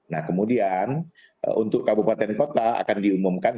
nah kemudian untuk kabupaten kota akan diumumkan